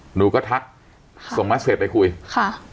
หนูก็ทักส่งแมสเซจไปคุยค่ะ